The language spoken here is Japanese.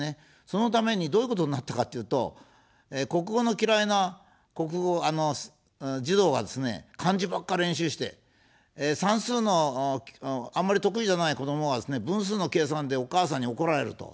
そのために、どういうことになったかというと、国語の嫌いな国語、児童はですね、漢字ばかり練習して、算数のあまり得意じゃない子どもはですね、分数の計算でお母さんに怒られると。